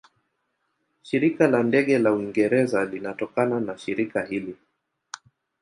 Shirika la Ndege la Uingereza linatokana na shirika hili.